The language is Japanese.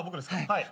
はい。